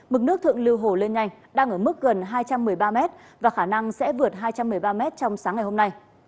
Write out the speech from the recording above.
mực nước thượng lưu hồ lên nhanh đang ở mức gần hai trăm một mươi ba m và khả năng sẽ vượt hai trăm một mươi ba m trong sáng ngày hôm nay